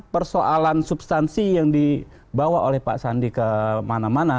persoalan substansi yang dibawa oleh pak sandi kemana mana